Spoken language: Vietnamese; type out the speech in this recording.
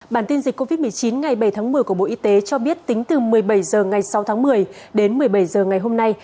bản tin dịch covid một mươi chín ngày bảy tháng một mươi của bộ y tế cho biết tính từ một mươi bảy h ngày sáu tháng một mươi đến một mươi bảy h ngày hôm nay